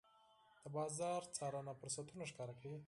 د بازار څارنه فرصتونه ښکاره کوي.